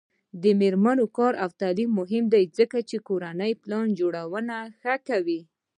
د میرمنو کار او تعلیم مهم دی ځکه چې کورنۍ پلان جوړونې ښه کوي.